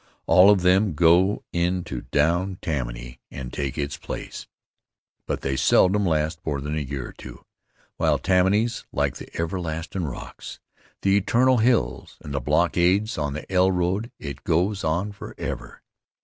All of them go in to down Tammany and take its place, but they seldom last more than a year or two, while Tammany's like the everlastin' rocks, the eternal hills and the blockades on the "L" road it goes on forever.